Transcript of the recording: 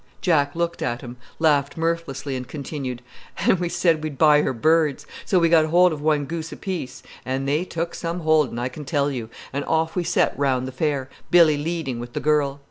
Jack looked at him, laughed mirthlessly, and continued: "An' we said we'd buy her birds. So we got hold of one goose apiece—an' they took some holding, I can tell you—and off we set round the fair, Billy leading with the girl.